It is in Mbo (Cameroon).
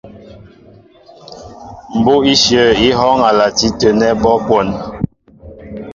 Mbú' íshyə̂ í hɔ́ɔ́ŋ a lati tə̂ nɛ́ abɔ́' kwón.